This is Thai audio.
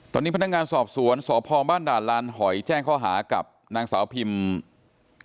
ตอนนี้พนักงานสอบสวนสพบ้านด่านลานหอยแจ้งข้อหากับนางสาวพิมพ์